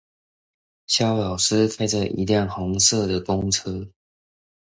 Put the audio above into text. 蕭老師開著一輛紅色的公車